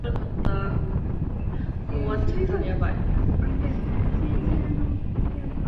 이 길이 이십 킬로미터시속이거든.